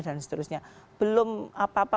dan seterusnya belum apa apa